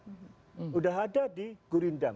sudah ada di gurindam